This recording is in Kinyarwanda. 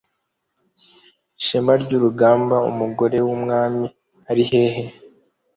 shema ryurugamba umugore wumwami arihehe?"